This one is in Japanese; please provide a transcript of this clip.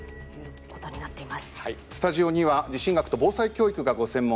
スタジオには地震学と防災教育がご専門